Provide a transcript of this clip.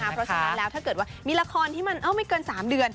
เพราะฉะนั้นแล้วถ้าเกิดว่ามีละครที่มันไม่เกิน๓เดือน